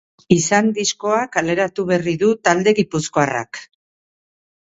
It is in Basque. Izan diskoa kaleratu berri du talde gipuzkoarrak.